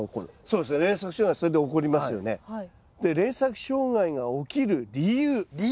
で連作障害がおきる理由。